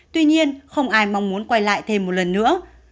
tuy nhiên không ai mong muốn quay lại thêm một lần nữa